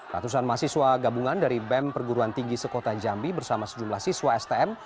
ratusan mahasiswa gabungan dari bem perguruan tinggi sekota jambi bersama sejumlah siswa stm